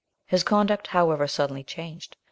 His conduct, however, suddenly changed.